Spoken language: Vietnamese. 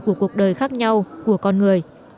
của cuộc đời khác nhau của con người